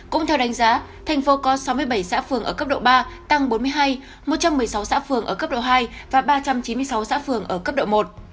cũng theo đánh giá thành phố có sáu mươi bảy xã phường ở cấp độ ba tăng bốn mươi hai một trăm một mươi sáu xã phường ở cấp độ hai và ba trăm chín mươi sáu xã phường ở cấp độ một